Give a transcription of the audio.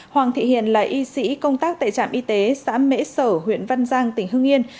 hoàng thị hiền là y sĩ công tác tại trạm y tế xã mễ sở huyện văn giang tỉnh hưng yên